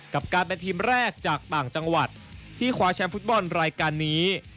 กับการเป็นทีมแรกจากต่างจังหวัดที่คว้าแชมป์ฟุตบอลรายการนี้